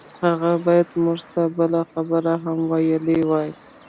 هغه بايد موږ ته بله خبره هم ويلي وای.